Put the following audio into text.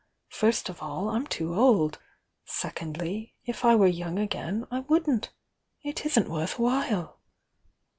First of all, I'm too old— secondly, if I were young again, I wouldn't. It isn't worth while!"